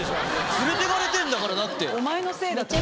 連れてかれてるんだからだって。